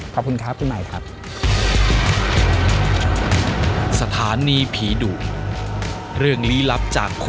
ขอบคุณครับคุณใหม่ครับ